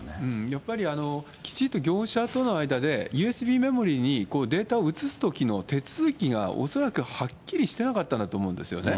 やっぱり、きちっと業者との間で、ＵＳＢメモリにデータを移すときの手続きが、恐らくはっきりしてなかったんだと思うんですよね。